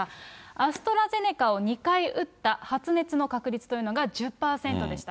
アストラゼネカを２回打った発熱の確率というのが１０％でした。